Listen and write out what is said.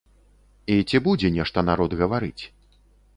І ці будзе нешта народ гаварыць?